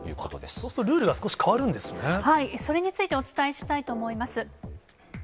そうするとルールが少し変わそれについてお伝えしたいと思います。